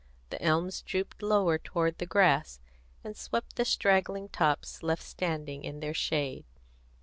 The elms drooped lower toward the grass, and swept the straggling tops left standing in their shade.